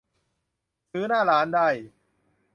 ซื้อหน้าร้านได้